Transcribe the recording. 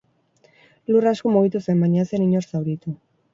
Lur asko mugitu zen, baina ez zen inor zauritu.